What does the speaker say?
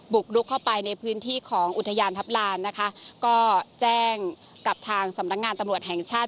กลุกเข้าไปในพื้นที่ของอุทยานทัพลานนะคะก็แจ้งกับทางสำนักงานตำรวจแห่งชาติ